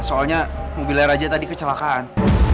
soalnya mobilnya raja tadi kecelakaan